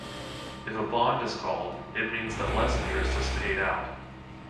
If a bond is called, it means that less interest is paid out.